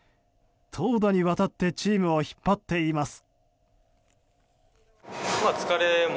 投打にわたってチームを引っ張っています。